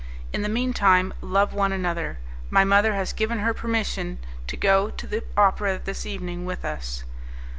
In the mean time, love one another. My mother has given her permission to go to the opera this evening with us."